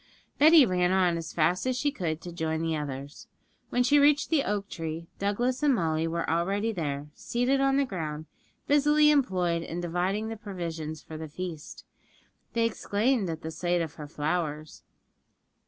Betty ran on as fast as she could to join the others. When she reached the oak tree, Douglas and Molly were already there, seated on the ground, busily employed in dividing the provisions for the feast. They exclaimed at the sight of her flowers.